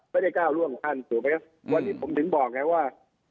ก้าวร่วงท่านถูกไหมครับวันนี้ผมถึงบอกไงว่า